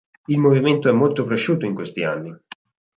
Il movimento è molto cresciuto in questi anni.